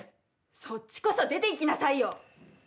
そっちこそ出ていきなさいよ！